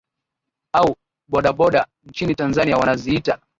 au boda boda nchini tanzania wanaziita